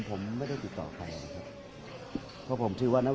ถ้าไม่เอาลงที่ว่า